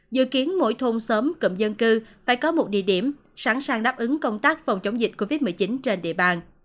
dự kiến mỗi thôn xóm cụm dân cư phải có một địa điểm sẵn sàng đáp ứng công tác phòng chống dịch covid một mươi chín trên địa bàn